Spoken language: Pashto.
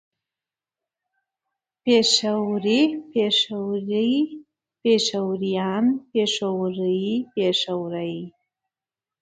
پېښوری پېښوري پېښوريان پېښورۍ پېښورې